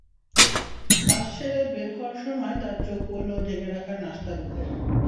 কাজ সেরে বের হওয়ার সময় তাঁর চোখ পড়ল ঢেকে রাখা নাশতার ওপর।